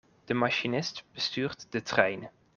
De machinist bestuurt de trein.